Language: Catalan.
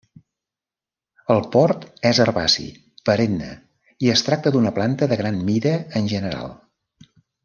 El port és herbaci, perenne i es tracta d'una planta de gran mida en general.